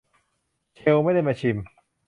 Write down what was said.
เชลล์ไม่ได้มาชิม